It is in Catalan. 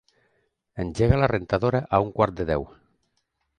Engega la rentadora a un quart de deu.